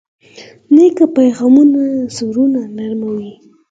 نیک پیغامونه زړونه نرموي.